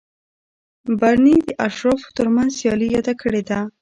برني د اشرافو ترمنځ سیالي یاده کړې ده.